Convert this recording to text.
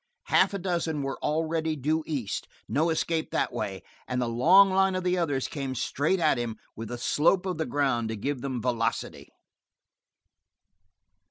Half a dozen were already due east no escape that way; and the long line of the others came straight at him with the slope of the ground to give them velocity.